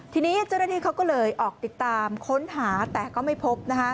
ทีนี้เจ้าหน้าที่เขาก็เลยออกติดตามค้นหาแต่ก็ไม่พบ